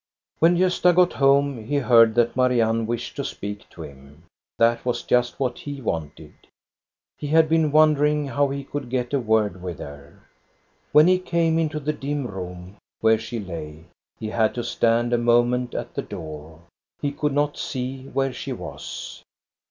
When Gosta got home, he heard that Marianne wished to speak to him. That was just what he wanted. THE A UCTION A T BjORNE 1 5 3 He had been wondering how he could get a word with her. When he came into the dim room where she lay, he had to stand a moment at the door. He could not see where she was.